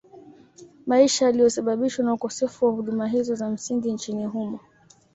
Maisha yaliyosababishwa na ukosefu wa huduma hizo za msingi nchini humo